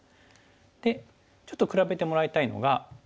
でちょっと比べてもらいたいのが。